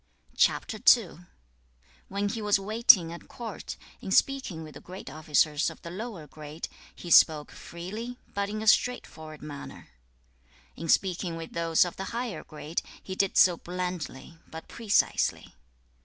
When he was waiting at court, in speaking with the great officers of the lower grade, he spake freely, but in a straightforward manner; in speaking with those of the higher grade, he did so blandly, but precisely.